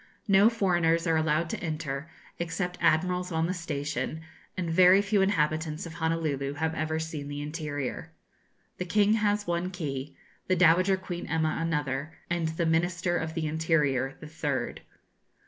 No foreigners are allowed to enter, except admirals on the station; and very few inhabitants of Honolulu have ever seen the interior. The King has one key, the Dowager Queen Emma another, and the Minister of the Interior the third.